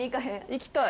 行きたい。